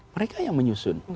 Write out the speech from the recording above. mereka yang menyusun